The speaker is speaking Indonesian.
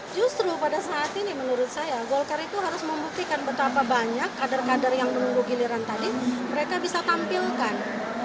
justru pada saat ini menurut saya golkar itu harus membuktikan betapa banyak kader kader yang menunggu giliran tadi mereka bisa tampilkan